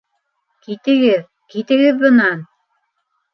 Китегеҙ, китегеҙ бынан!